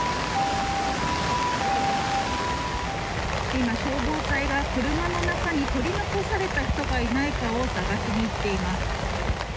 今、消防隊が車の中に取り残された人がいないかを探しに来ています。